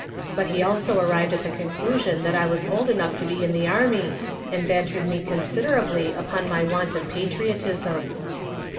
But he also arrived at the conclusion that I was old enough to be in the army, and bantered me considerably upon my want of patriotism.